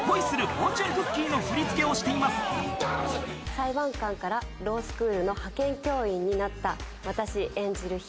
裁判官からロースクールの派遣教員になった私演じる柊木と。